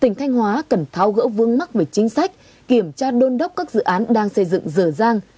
tỉnh thanh hóa cần thao gỡ vương mắc về chính sách kiểm tra đôn đốc các dự án đang xây dựng rỡ ràng